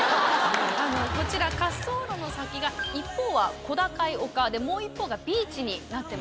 こちら滑走路の先が一方は小高い丘でもう一方がビーチになってます。